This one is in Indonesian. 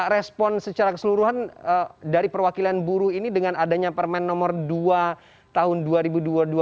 respon secara keseluruhan dari perwakilan buruh ini dengan adanya permen nomor dua tahun dua ribu dua puluh dua